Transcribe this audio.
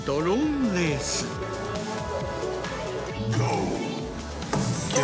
・ゴー！